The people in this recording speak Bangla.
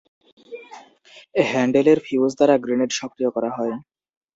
হ্যান্ডেলের ফিউজ দ্বারা গ্রেনেড সক্রিয় করা হয়।